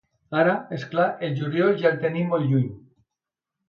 Ara, és clar, el juliol ja el tenim molt lluny.